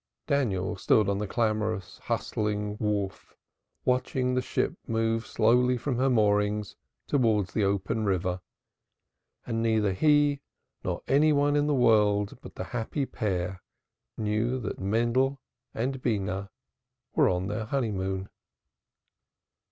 Daniel stood on the clamorous hustling wharf, watching the ship move slowly from her moorings towards the open river, and neither he nor any one in the world but the happy pair knew that Mendel and Beenah were on their honeymoon.